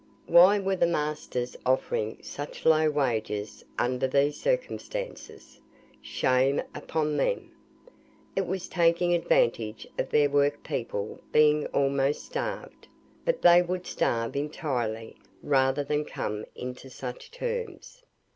Why were the masters offering such low wages under these circumstances? Shame upon them! It was taking advantage of their work people being almost starved; but they would starve entirely rather than come into such terms.